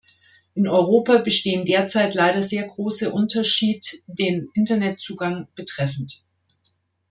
In Europa bestehen derzeit leider sehr große Unterschied den Internetzugang betreffend.